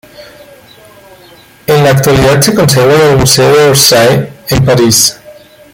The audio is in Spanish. En la actualidad, se conserva en el Museo de Orsay, en París.